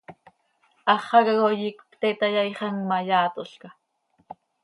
Háxaca coi iicp pte tayaaixam ma, yaatolca.